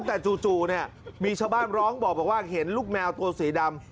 แต่จู่เนี่ยมีชาวบ้านร้องบอกว่าเห็นลูกแมวตัวสีดำ